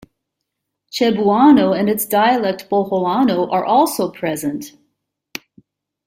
Cebuano and its dialect Boholano are also present.